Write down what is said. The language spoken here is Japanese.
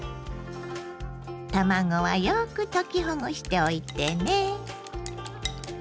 卵はよく溶きほぐしておいてね。